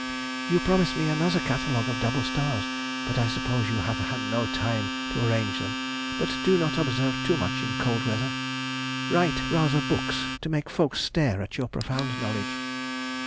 You promised me another Catalogue of double stars, but I suppose you have had no time to arrange them. But do not observe too much in cold weather. Write rather books to make folks stare at your profound knowledge....